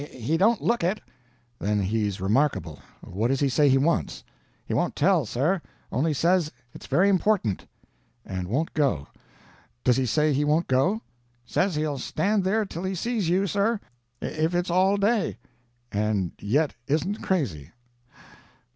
He don't look it." "Then he's remarkable. What does he say he wants?" "He won't tell, sir; only says it's very important." "And won't go. Does he say he won't go?" "Says he'll stand there till he sees you, sir, if it's all day." "And yet isn't crazy.